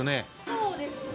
そうですね。